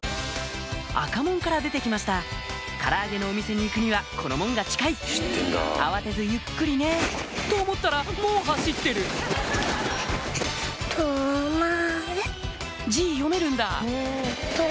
赤門から出て来ましたから揚げのお店に行くにはこの門が近い慌てずゆっくりねと思ったらもう走ってる字読めるんだ「と」。